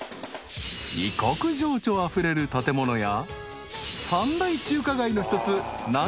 ［異国情緒あふれる建物や三大中華街の一つ南京町に］